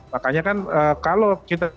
makanya kan kalau kita